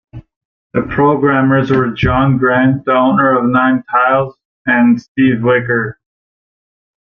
The programmers were John Grant, the owner of Nine Tiles, and Steve Vickers.